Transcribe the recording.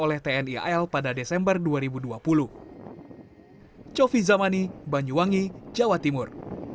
kepala kementerian pertahanan akan digunakan oleh tni al pada desember dua ribu dua puluh